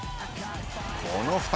この２人。